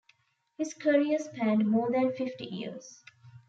His career spanned more than fifty years.